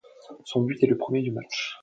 Son but est le premier du match.